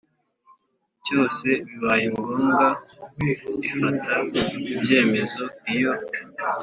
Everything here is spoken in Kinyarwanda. cyose bibaye ngombwa Ifata ibyemezo iyo